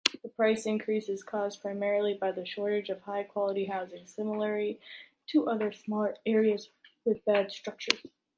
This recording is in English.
The price increase is caused primarily by the shortage of high quality housing, similarly to other smaller areas with bad structures.